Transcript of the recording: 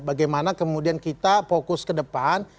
bagaimana kemudian kita fokus ke depan